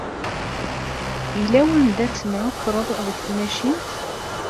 Yalla wanda temɛukkreḍ deg tmacint?